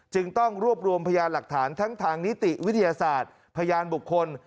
จึงต้องรวบรวมพยานหลักฐานทั้งทางนิติวิทยาศาสตร์พยานบุคคล